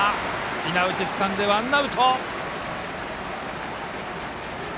稲内つかんでワンアウト。